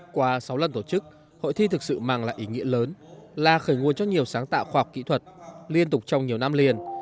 qua sáu lần tổ chức hội thi thực sự mang lại ý nghĩa lớn là khởi nguồn cho nhiều sáng tạo khoa học kỹ thuật liên tục trong nhiều năm liền